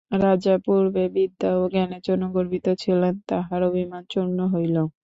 রাজা পূর্বে বিদ্যা ও জ্ঞানের জন্য গর্বিত ছিলেন, তাঁহার অভিমান চূর্ণ হইল।